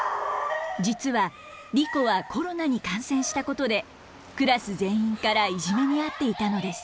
実はリコはコロナに感染したことでクラス全員からいじめにあっていたのです。